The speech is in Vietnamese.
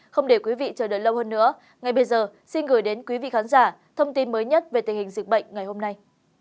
không để quý vị chờ đợi lâu hơn nữa ngay bây giờ xin gửi đến quý vị khán giả thông tin mới nhất về tình hình dịch bệnh ngày hôm nay